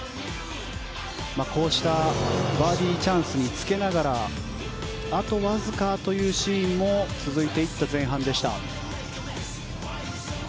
こうしたバーディーチャンスにつけながらあとわずかというシーンも続いていった前半でした。